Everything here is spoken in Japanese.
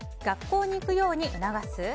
学校に行くように促す？